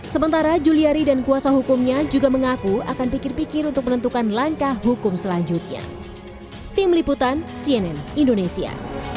sementara juliari dan kuasa hukumnya juga mengaku akan pikir pikir untuk menentukan langkah hukum selanjutnya